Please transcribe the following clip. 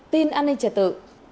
tin an ninh trả tự